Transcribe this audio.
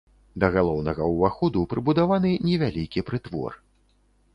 Да галоўнага ўваходу прыбудаваны невялікі прытвор.